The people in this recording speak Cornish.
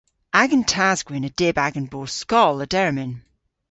Agan tas-gwynn a dyb agan bos skoll a dermyn.